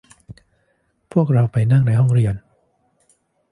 พวกเราไปนั่งในห้องเรียน